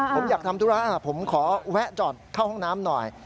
ผมอยากทำธุระผมขอแวะจอดเข้าห้องน้ำหน่อย